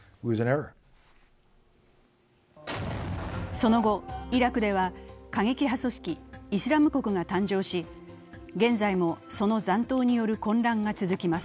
その後、イラクでは過激派組織イスラム国が誕生し現在も、その残党による混乱が続きます。